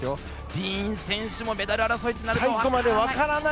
ディーン選手もメダル争いとなると分からない。